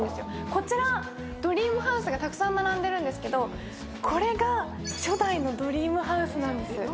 こちら、ドリームハウスがたくさん並んでいるんですけど、これが初代のドリームハウスなんです。